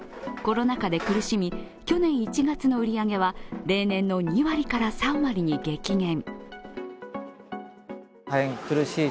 コロナ禍で苦しみ、去年１月の売り上げは例年の２割から３割に激減。